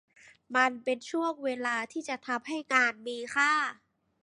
มันเป็นช่วงเวลาที่จะทำให้งานมีค่า